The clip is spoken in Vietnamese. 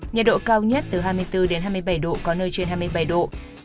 nhiệt độ cao nhất từ hai mươi bốn đến hai mươi bảy độ có nơi trên hai mươi bảy độ